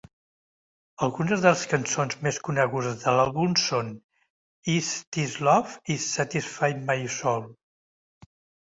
Algunes de les cançons més conegudes de l'àlbum són "Is This Love" i "Satisfy My Soul".